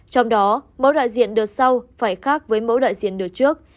trong đó mỗi đại diện đợt sau phải khác với mẫu đại diện đợt trước